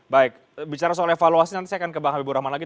baik bicara soal evaluasi nanti saya akan ke bang habibur rahman lagi